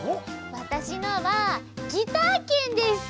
わたしのは「ギター券」です。